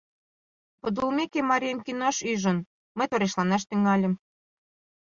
Подылмеке, марием кинош ӱжын, мый торешланаш тӱҥальым.